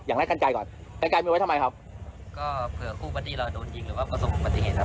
อย่างแรกกรรไกรก่อนกรรไกรมีไว้ทำไมครับก็เผื่อคู่ปฏิเราโดนยิงหรือว่าประสงค์ปฏิเหตุครับ